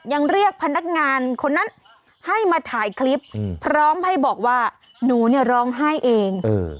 ยังเรียกพนักงานคนนั้นให้มาถ่ายคลิปพร้อมให้บอกว่าหนูเนี่ยร้องไห้เอง